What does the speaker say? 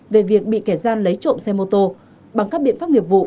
về việc bị kẻ gian lấy trộm xe mô tô bằng các biện pháp nghiệp vụ